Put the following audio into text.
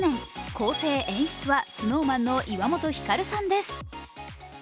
構成・演出はＳｎｏｗＭａｎの岩本照さんです。